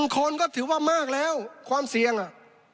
คนก็ถือว่ามากแล้วความเสี่ยงอ่ะ